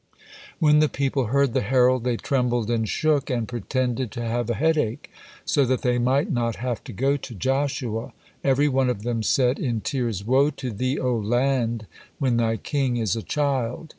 When the people heard the herald, they trembled and shook, and pretended to have a headache, so that they might not have to go to Joshua. Every one of them said, in tears, "Woe to thee, O land, when thy king is a child!"